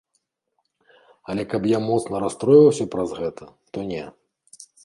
Але каб я моцна расстройваўся праз гэта, то не.